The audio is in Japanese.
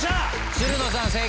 つるのさん正解。